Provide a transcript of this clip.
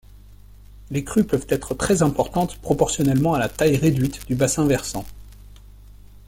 Les crues peuvent être très importantes proportionnellement à la taille réduite du bassin versant.